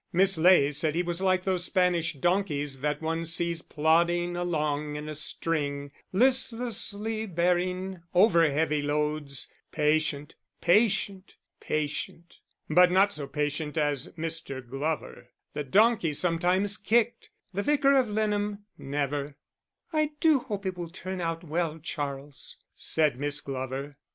Miss Ley said he was like those Spanish donkeys that one sees plodding along in a string, listlessly bearing over heavy loads patient, patient, patient. But not so patient as Mr. Glover; the donkey sometimes kicked, the Vicar of Leanham never. "I do hope it will turn out well, Charles," said Miss Glover.